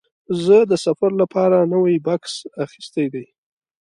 زه د سفر لپاره نوی بکس اخیستی دی.